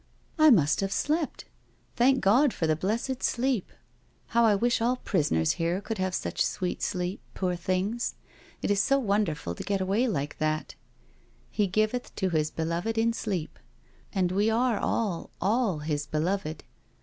" I must have slept I Thank God for the blessed sleep. How I wish all prisoners here could have such sweet sleep, poor things. It is so wonderful to get away like that —* He giveth to His beloved in sleep '^ and we are all, all His beloved.